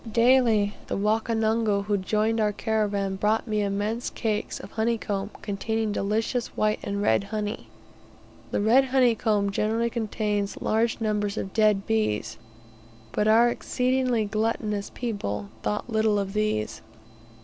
Daily, the Wakonongo who had joined our caravan brought me immense cakes of honey comb, containing delicious white and red honey. The red honey comb generally contains large numbers of dead bees, but our exceedingly gluttonous people thought little of these.